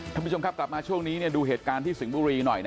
ท่านผู้ชมครับกลับมาช่วงนี้ดูเหตุการณ์ที่สิงห์บุรีหน่อย